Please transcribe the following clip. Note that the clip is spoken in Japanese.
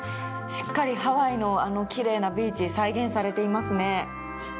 しっかりハワイの奇麗なビーチが再現されていますね。